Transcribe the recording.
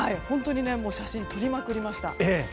本当に写真、撮りまくりました。